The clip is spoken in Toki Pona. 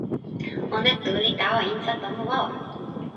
ona tu li tawa insa tomo wawa.